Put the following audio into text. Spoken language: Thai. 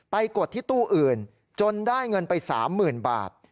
กดที่ตู้อื่นจนได้เงินไป๓๐๐๐บาท